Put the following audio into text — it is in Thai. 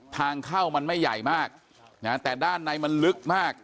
ทางเข้ามันไม่ใหญ่มากนะฮะแต่ด้านในมันลึกมาก